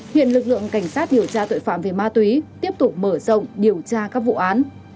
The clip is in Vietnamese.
hiện lực lượng cảnh sát điều tra tội phạm về ma túy tiếp tục mở rộng điều tra các vụ án